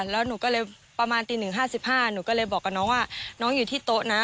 แล้วหนูก็เลยประมาณตี๑๕๕หนูก็เลยบอกกับน้องว่าน้องอยู่ที่โต๊ะนะ